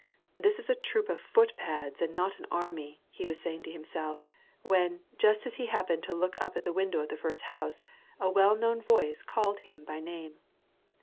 " This is a troop of footpads and not an army," he was saying to himself, when, just as he happened to look up at the window of the first house, a well known voice called him by name.